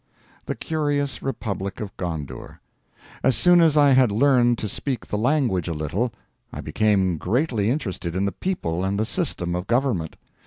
] THE CURIOUS REPUBLIC OF GONDOUR As soon as I had learned to speak the language a little, I became greatly interested in the people and the system of government.